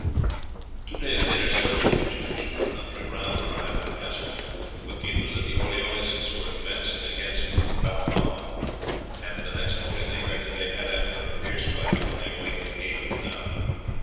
Two days later several fugitives from the country round arrived at the castle with news that the Orleanists were advancing against Bapaume, and the next morning they heard that they had, after a fierce fight, won their way to the gate of the town.